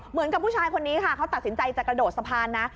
เหมือนกับผู้ชายคนนี้ค่ะเขาตัดสินใจจะกระโดดสะพานนะ